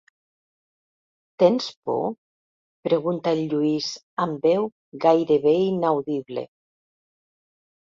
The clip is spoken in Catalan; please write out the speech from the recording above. Tens por? –pregunta el Lluís, amb veu gairebé inaudible.